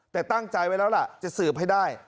แต่ตั้งใจไว้แล้วล่ะจะสืบให้ได้